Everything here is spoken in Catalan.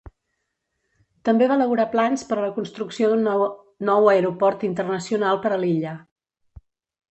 També va elaborar plans per a la construcció d'un nou aeroport internacional per a l'illa.